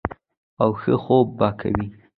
او ښۀ خوب به کوي -